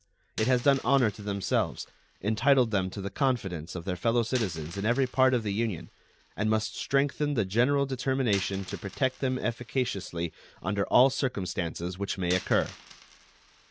It has done honor to themselves, entitled them to the confidence of their fellow citizens in every part of the Union, and must strengthen the general determination to protect them efficaciously under all circumstances which may occur.